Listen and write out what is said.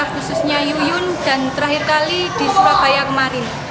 khususnya yuyun dan terakhir kali di surabaya kemarin